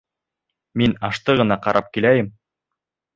Мин ашты ғына ҡарап киләйем.